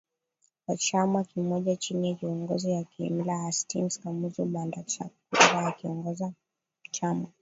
wa chama kimoja chini ya kiongozi wa kiimla Hastings Kamuzu BandaChakwera alikiongoza chama